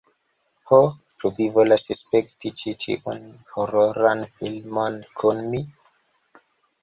"Ho, ĉu vi volas spekti ĉi tiun hororan filmon kun mi?